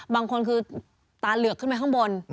บางคนคือตาเหลือกขึ้นไปข้างบน